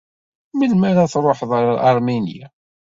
Melmi ara ad tṛuḥeḍ ɣer Aṛminya?